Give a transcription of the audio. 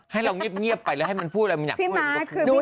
ให้เรายิบเงียบไปและให้มันพูดอะไรมันอยากพูดอย่างเดียว